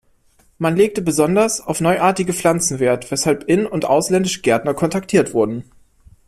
Man legte besonders auf neuartige Pflanzen Wert, weshalb in- und ausländische Gärtner kontaktiert wurden.